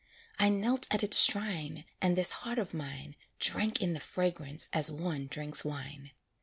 I knelt at its shrine, And this heart of mine Drank in the fragrance as one drinks wine.